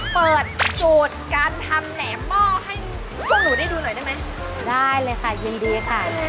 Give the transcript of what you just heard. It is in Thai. เปิดโจทย์การทำแหนมหม้อให้พวกหนูได้ดูหน่อยได้ไหมได้เลยค่ะยินดีค่ะ